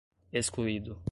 excluído